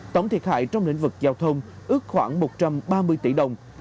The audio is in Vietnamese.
tổng thiệt hại trong lĩnh vực giao thông ước khoảng một trăm ba mươi tỷ đồng